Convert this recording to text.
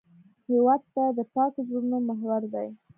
هېواد د پاکو زړونو محور دی.